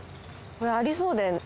これありそうで。